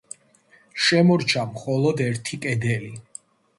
შემორჩა მხოლოდ ერთი კედელი.